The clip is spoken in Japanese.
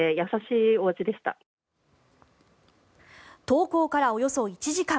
投稿からおよそ１時間。